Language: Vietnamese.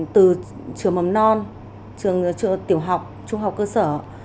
từ trường mầm non trường tiểu học trung học cơ sở